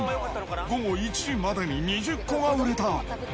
午後１時までに２０個が売れた。